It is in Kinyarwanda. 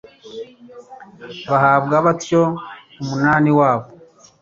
bahabwa batyo umunani wabo